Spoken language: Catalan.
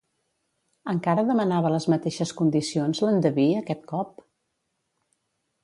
Encara demanava les mateixes condicions, l'endeví, aquest cop?